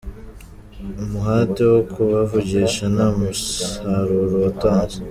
Umuhate wo kubavugisha nta musaruro watanze.